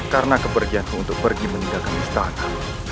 karena kepergian ku untuk pergi meninggalkan istana